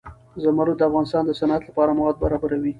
زمرد د افغانستان د صنعت لپاره مواد برابروي.